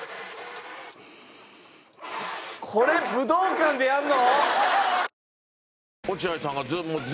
これ武道館でやるの！？